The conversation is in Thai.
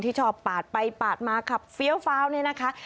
คนที่ชอบปาดไปปาดมาขับเฟี้ยวนี่นะคะ